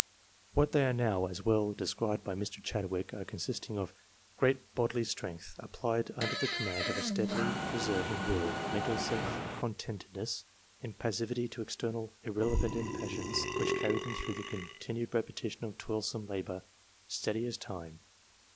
What they are now, was well described by Mr. Chadwick as consisting of " great bodily strength, applied under the command of a steady, persevering will, mental self content edness, impassibility to external irrelevant impressions, which carries them through the continued repetition of toilsome labour, ' steady as time.'